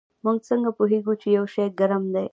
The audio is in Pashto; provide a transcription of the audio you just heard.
موږ څنګه پوهیږو چې یو شی ګرم دی